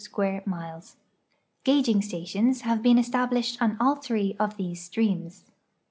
square miles. Gauging stations have been estal)lished on all three of tliese streams.